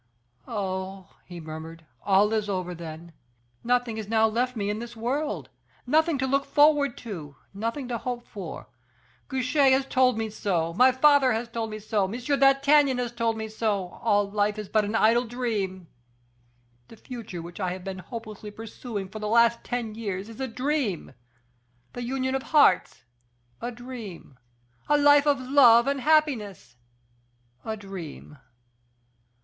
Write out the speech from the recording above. "Oh!" he murmured, "all is over, then. Nothing is now left me in this world. Nothing to look forward to, nothing to hope for. Guiche has told me so, my father has told me so, M. d'Artagnan has told me so. All life is but an idle dream. The future which I have been hopelessly pursuing for the last ten years is a dream! the union of hearts, a dream! a life of love and happiness, a dream!